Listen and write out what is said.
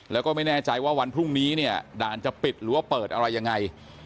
แล้วก็ไม่แน่ใจว่าวันพรุ่งนี้เนี่ยด่านจะปิดหรือว่าเปิดอะไรยังไง